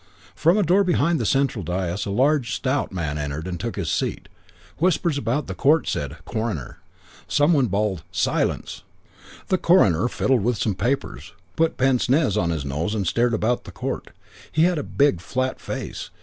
V From a door behind the central dais a large, stout man entered and took his seat. Whispers about the court said, "Coroner." Some one bawled "Silence." The coroner fiddled with some papers, put pince nez on his nose and stared about the court. He had a big, flat face.